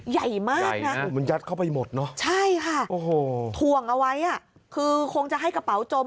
ใหญ่มากนะใช่ค่ะถ่วงเอาไว้คือคงจะให้กระเป๋าจม